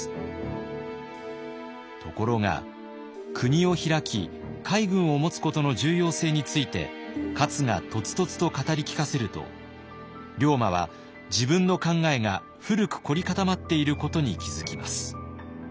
ところが国を開き海軍を持つことの重要性について勝がとつとつと語り聞かせると龍馬は自分の考えが古く凝り固まっていることに気付きます。